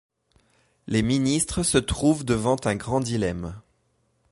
Les ministres se trouvent devant un grand dilemme.